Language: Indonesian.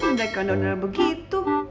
kan mereka doner begitu